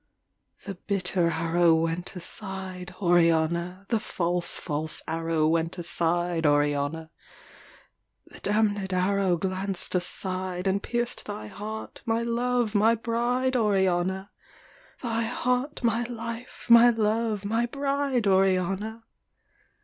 The bitter arrow went aside, Oriana: The false, false arrow went aside, Oriana: The damned arrow glanced aside, And pierced thy heart, my love, my bride, Oriana! Thy heart, my life, my love, my bride, Oriana!